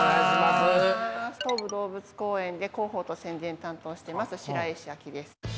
東武動物公園で広報と宣伝担当してます白石陽です。